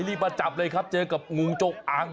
รีบมาจับเลยครับเจอกับงูจงอาง